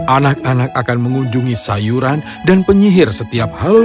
anak anak akan mengunjungi sayuran dan penyihir setiap halus